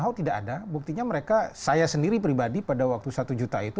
kalau tidak ada buktinya mereka saya sendiri pribadi pada waktu satu juta itu